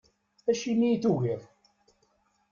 Acimi i tugiḍ?